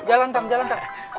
jalan tangan jalan tangan